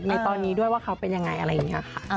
ในตอนนี้ด้วยว่าเขาเป็นยังไงอะไรอย่างนี้ค่ะ